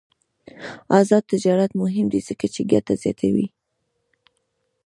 آزاد تجارت مهم دی ځکه چې ګټه زیاتوي.